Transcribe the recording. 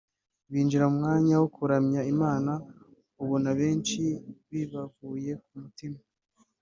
binjira mu mwanya wo kuramya Imana ubona benshi bibavuye ku mitima